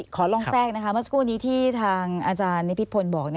ขอลองแทรกนะคะเมื่อสักครู่นี้ที่ทางอาจารย์นิพิษพลบอก